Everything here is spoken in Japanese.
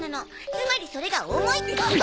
つまりそれが重いってこと。